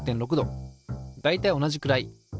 大体同じくらい。